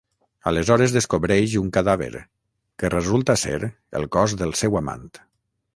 Aleshores descobreix un cadàver, que resulta ser el cos del seu amant.